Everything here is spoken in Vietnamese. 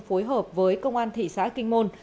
phối hợp với công an thị xã kinh môn